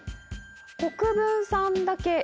国分さんだけ「Ａ」。